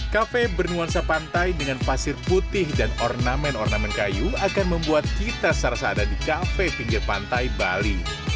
kafe bernuansa pantai dengan pasir putih dan ornamen ornamen kayu akan membuat kita serasa ada di kafe pinggir pantai bali